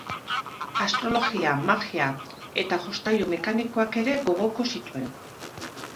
Astrologia, magia eta jostailu mekanikoak ere gogoko zituen.